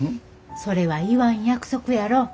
それは言わん約束やろ。